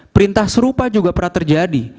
perintah serupa juga pernah terjadi